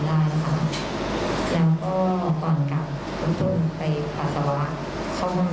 แล้วก็ก่อนกลับก็ต้องไปภาษาวะเข้าห้องน้ำ